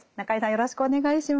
よろしくお願いします。